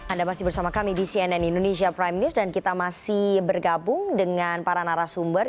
anda masih bersama kami di cnn indonesia prime news dan kita masih bergabung dengan para narasumber